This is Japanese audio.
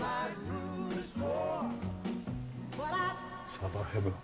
サバヘブン。